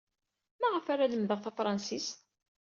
Maɣef ara lemdeɣ tafṛensist?